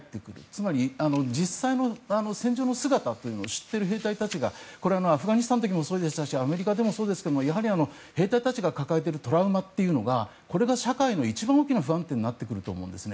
つまり、実際の戦場の姿というのを知っている兵隊たちがアフガニスタンの時もそうでしたしアメリカでもそうですがやはり兵隊たちが抱えているトラウマというのがこれが社会の一番大きな不安になってくると思います。